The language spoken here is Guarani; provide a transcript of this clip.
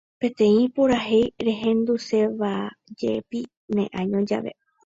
Peteĩ purahéi rehendusévajepi ne año jave